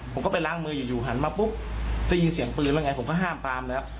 ผมก็ไปล้างมืออยู่หันมาปุ๊บได้ยินเสียงปืนแล้วไงผมก็ห้ามปามแล้ว